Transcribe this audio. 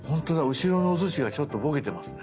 後ろ側のおすしがちょっとボケてますね。